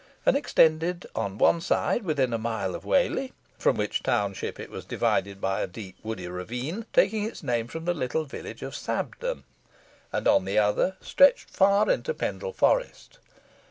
and extended on one side, within a mile of Whalley, from which township it was divided by a deep woody ravine, taking its name from the little village of Sabden, and on the other stretched far into Pendle Forest.